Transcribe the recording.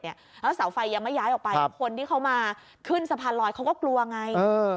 แล้วเสาไฟยังไม่ย้ายออกไปคนที่เขามาขึ้นสะพานลอยเขาก็กลัวไง